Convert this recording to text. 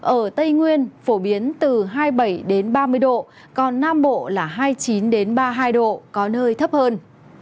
ở tây nguyên phổ biến từ hai mươi bảy ba mươi độ còn nam bộ là hai mươi chín ba mươi hai độ có nơi thấp hơn